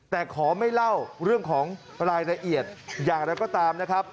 แต่ขอไม่เล่าเรื่องของรายละเอียดอย่างไรก็ตามนะครับ